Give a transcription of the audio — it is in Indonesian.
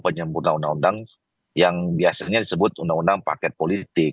penyempurna undang undang yang biasanya disebut undang undang paket politik